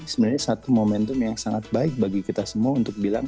sebenarnya satu momentum yang sangat baik bagi kita semua untuk bilang